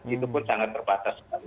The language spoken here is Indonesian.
itu pun sangat terbatas sekali